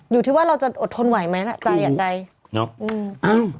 อยู่ที่ว่าเราจะอดทนไหวไหมล่ะจาอาหารใดถูกเนาะอืม